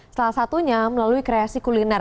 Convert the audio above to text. salah satunya melalui kreasi kuliner